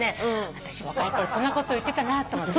私若いころそんなこと言ってたなと思って。